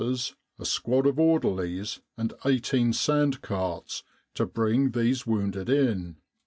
's, a squad of order lies, and 18 sand carts, to bring these wounded in.